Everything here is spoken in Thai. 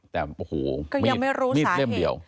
แต่โอ้โหก็ยังไม่รู้สาเหตุมิดเล่มเดียว